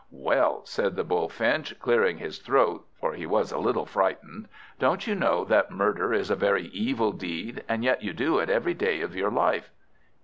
"Well," said the Bullfinch, clearing his throat (for he was a little frightened), "don't you know that murder is a very evil deed, and yet you do it every day of your life?"